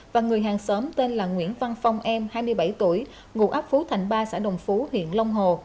và người hàng xóm tên là nguyễn văn phong em hai mươi bảy tuổi ngụ ấp phú thành ba xã đồng phú huyện long hồ